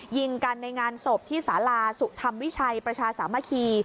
ยิงกันในงานศพที่สาราสุธรรมวิชัยประชาสามัคคี